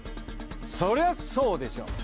そりゃそうでしょう。